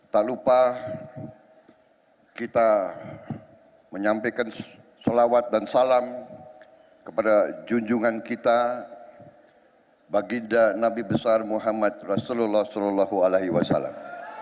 tak lupa kita menyampaikan sholawat dan salam kepada junjungan kita baginda nabi besar muhammad rasulullah saw